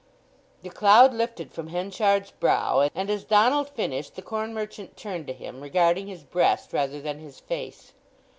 The cloud lifted from Henchard's brow, and as Donald finished the corn merchant turned to him, regarding his breast rather than his face.